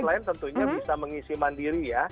selain tentunya bisa mengisi mandiri ya